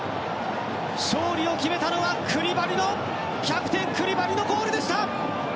勝利を決めたのはキャプテン、クリバリのゴールでした！